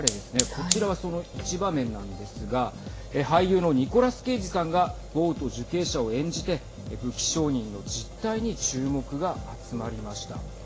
こちらは、その一場面なんですが俳優のニコラス・ケイジさんがボウト受刑者を演じて武器商人の実態に注目が集まりました。